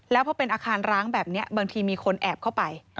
แล้วพอเป็นอาคารร้างแบบนี้บางทีมีคนแอบเข้าไป